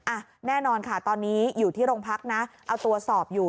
อ่ะแน่นอนค่ะตอนนี้อยู่ที่โรงพักนะเอาตัวสอบอยู่